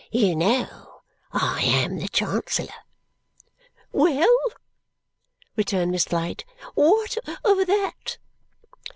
"You know I am the Chancellor." "Well?" returned Miss Flite. "What of that?"